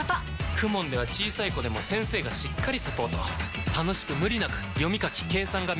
ＫＵＭＯＮ では小さい子でも先生がしっかりサポート楽しく無理なく読み書き計算が身につきます！